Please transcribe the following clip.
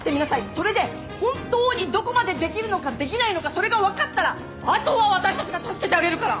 それで本当にどこまでできるのかできないのかそれが分かったらあとは私たちが助けてあげるから！